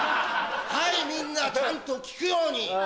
はいみんなちゃんと聞くように。